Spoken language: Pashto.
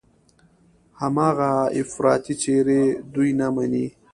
هماغه افراطي څېرې دوی نه مني.